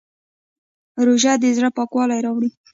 روژه د زړه پاکوالی راوړي.